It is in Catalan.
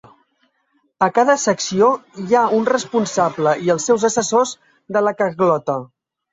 A cada secció hi ha un responsable i els seus assessors de la kgotla.